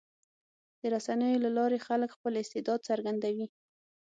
د رسنیو له لارې خلک خپل استعداد څرګندوي.